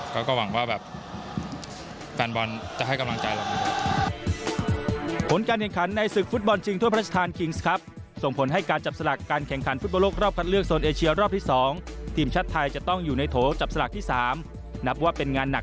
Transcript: ก็หวังว่าแฟนบอลจะให้กำลังใจเรา